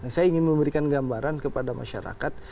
saya ingin memberikan gambaran kepada masyarakat